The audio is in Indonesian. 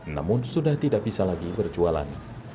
namun sudah tidak bisa lancarkan